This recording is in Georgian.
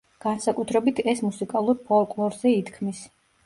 განსაკუთრებით ეს მუსიკალურ ფოლკლორზე ითქმის.